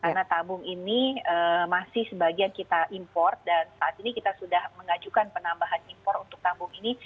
karena tabung ini masih sebagian kita impor dan saat ini kita sudah mengajukan penambahan impor untuk tabung ini